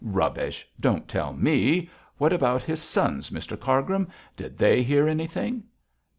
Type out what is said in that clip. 'Rubbish! don't tell me! What about his sons, Mr Cargrim? Did they hear anything?'